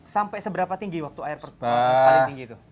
sampai seberapa tinggi waktu air paling tinggi itu